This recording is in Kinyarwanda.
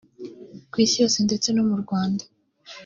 Ku isi yose ndetse no mu Rwanda